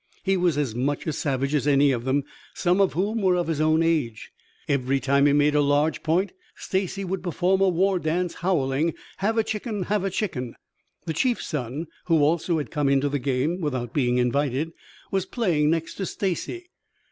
He was as much a savage as any of them, some of whom were of his own age. Every time he made a large point, Stacy would perform a war dance, howling, "Have a chicken! Have a chicken!" The chief's son, who also had come into the game without being invited, was playing next to Stacy.